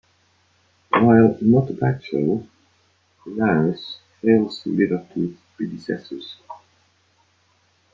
While not a bad show, 'Louse' fails to live up to its predecessors.